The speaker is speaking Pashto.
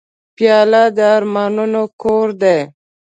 پیاله د ارمانونو کور دی.